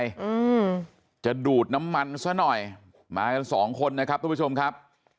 อืมจะดูดน้ำมันซะหน่อยมากันสองคนนะครับทุกผู้ชมครับ